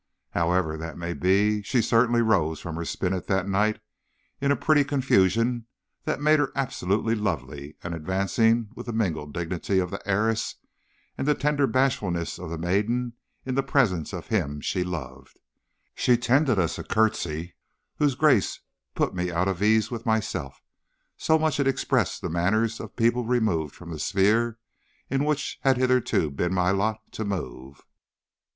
"However that may be, she certainly rose from her spinet that night in a pretty confusion that made her absolutely lovely, and advancing with the mingled dignity of the heiress and the tender bashfulness of the maiden in the presence of him she loved, she tendered us a courtesy whose grace put me out of ease with myself, so much it expressed the manners of people removed from the sphere in which it had hitherto been my lot to move.